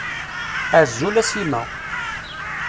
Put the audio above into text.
Azul a Sima.